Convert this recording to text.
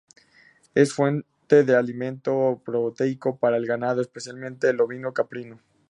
Es fuente de alimento proteico para el ganado, especialmente el ovino-caprino.